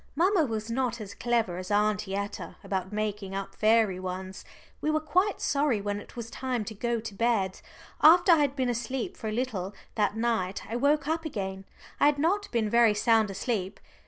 Mamma was not as clever as Aunty Etta about making up fairy ones. We were quite sorry when it was time to go to bed. After I had been asleep for a little that night I woke up again I had not been very sound asleep.